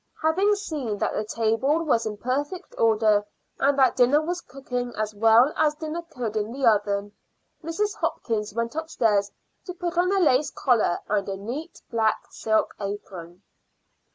Having seen that the table was in perfect order, and that the dinner was cooking as well as dinner could in the oven, Mrs. Hopkins went upstairs to put on a lace collar and a neat black silk apron.